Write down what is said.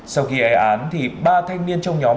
sau khi e án ba thanh niên trong nhóm